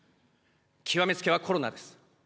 極めつけはコロナです。